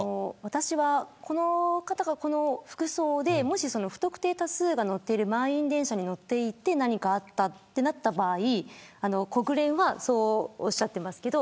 私は、この方がこの服装でもし不特定多数が乗っている満員電車に乗っていて何かあったとなった場合国連はそうおっしゃってますけど。